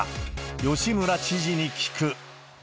吉村知事に聞く。